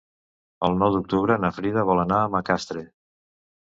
El nou d'octubre na Frida vol anar a Macastre.